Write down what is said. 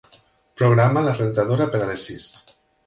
Programa la rentadora per a les sis.